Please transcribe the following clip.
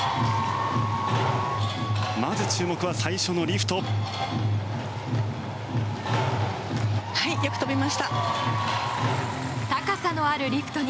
まず注目は最初のリフト。